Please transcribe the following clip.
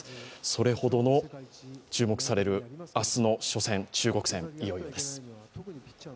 それほどの注目される明日の初戦、中国戦、いよいよですよ。